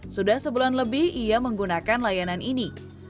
sudah sebulan lebih ia menggunakan layanan ini